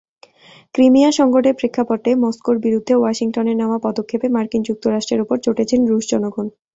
ক্রিমিয়া-সংকটের প্রেক্ষাপটে মস্কোর বিরুদ্ধে ওয়াশিংটনের নেওয়া পদক্ষেপে মার্কিন যুক্তরাষ্ট্রের ওপর চটেছেন রুশ জনগণ।